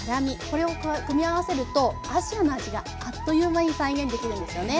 これを組み合わせるとアジアの味があっという間に再現できるんですよね。